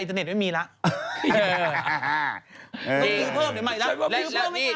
ต้องซื้อเพิ่มหรือไม่แล้ว